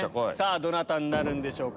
どなたになるんでしょうか。